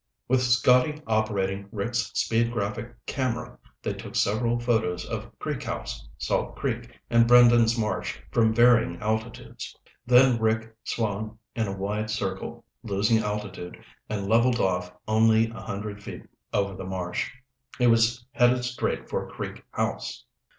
With Scotty operating Rick's speed graphic camera, they took several photos of Creek House, Salt Creek, and Brendan's Marsh from varying altitudes. Then Rick swung in a wide circle, losing altitude, and leveled off only a hundred feet over the marsh. He was headed straight for Creek House.